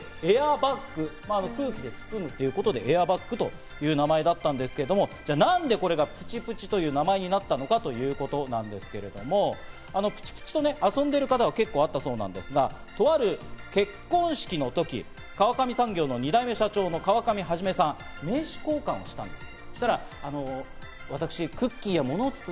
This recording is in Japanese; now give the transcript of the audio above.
当時の名前っていうのがプチプチじゃなくてエア・バッグ、空気で包むということで、エア・バッグっていう名前だったんですが、なんでこれがプチプチという名前になったのかということなんですけども、プチプチで遊んでる方は結構あったそうなんですが、とある結婚式の時、川上産業の２代目社長の川上肇さん、名刺交換をしたんです。